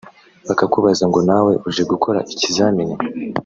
bakakubaza ngo ‘nawe uje gukora ikizamini